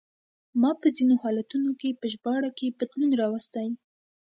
ما په ځینو حالتونو کې په ژباړه کې بدلون راوستی.